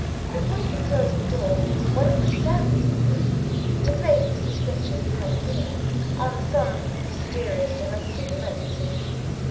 Before he could close the door one of the servants appeared, to claim Mrs. Finch's private ear, on some mysterious domestic emergency.